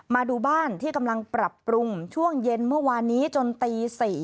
มาดูบ้านที่กำลังปรับปรุงช่วงเย็นเมื่อวานนี้จนตี๔